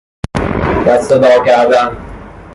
دسته دار کردن